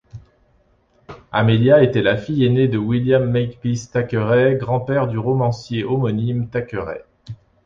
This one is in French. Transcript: Amelia était la fille aînée de William Makepeace Thackeray, grand-père du romancier homonyme Thackeray.